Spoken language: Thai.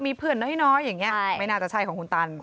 มีเพื่อนน้อยอย่างนี้ไม่น่าจะใช่ของคุณตัน